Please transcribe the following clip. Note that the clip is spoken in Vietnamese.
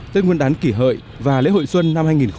tết nguyên đán kỷ hợi và lễ hội xuân năm hai nghìn một mươi chín